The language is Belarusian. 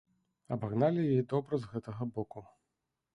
Абагналі яе добра з гэтага боку.